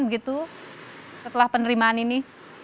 begitu setelah penerimaan ini